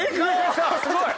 すごい！